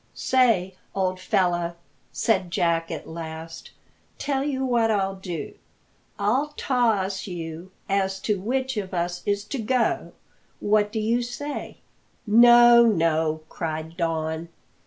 "Say, old fellow," said Jack at last, "tell you what I'll do; I'll toss you as to which of us is togo. What do you say?" "No, no," cried Don.